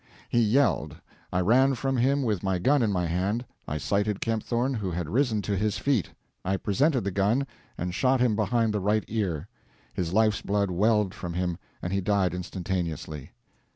He yelled, I ran from him with my gun in my hand, I sighted Kempthorne, who had risen to his feet. I presented the gun, and shot him behind the right ear; his life's blood welled from him, and he died instantaneously.